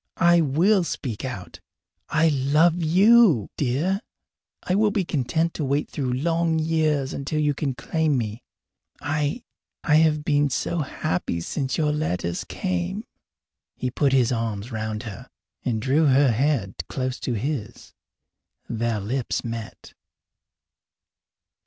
I will speak out! I love you, dear! I will be content to wait through long years until you can claim me. I I have been so happy since your letters came!" He put his arms around her and drew her head close to his. Their lips met.